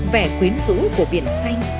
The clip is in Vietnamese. vẻ quyến rũ của biển xanh